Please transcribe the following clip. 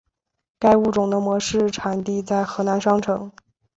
该物种的模式产地在河南商城。